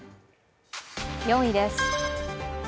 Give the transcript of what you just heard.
４位です。